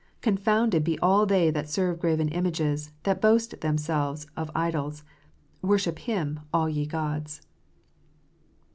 Confounded be all they that serve graven images, that boast themselves of idols : worship Him, all ye gods."